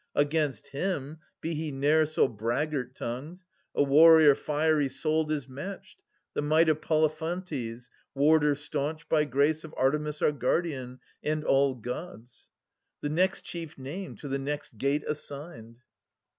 Against him, be he ne'er so braggart tongued, A warrior fiery souled is matched, the might Of Polyphontes, warder staunch, by grace Of Artemis our Guardian, and all Gods. 450 The next chief name, to the next gate assigned.